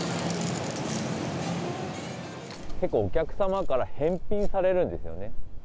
結構、お客様から返品されるんですよね。